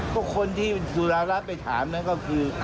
ก็คนที่สุรร้าไปถามก็คือ